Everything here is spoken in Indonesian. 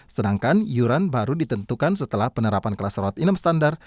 sedangkan iuran baru ditentukan setelah penerapan kelas rawat inap standar